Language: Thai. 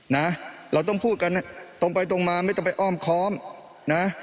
นะเราต้องพูดกันตรงไปตรงมาไม่ต้องไปอ้อมค้อมนะ